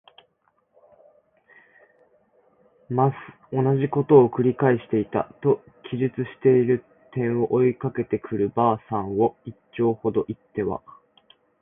ます。」とおなじことを「くり返していた。」と記述している点を、追いかけてくる婆さんを一町ほど行っては